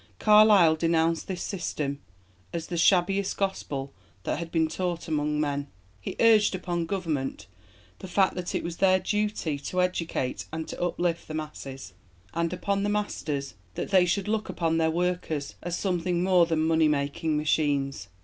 Carlyle denounced this system as "the shabbiest gospel that had been taught among men." He urged upon Government the fact that it was their duty to educate and to uplift the masses, and upon the masters that they should look upon their workers as something more than money making machines.